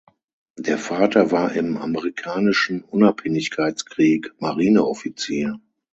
Der Vater war im Amerikanischen Unabhängigkeitskrieg Marineoffizier.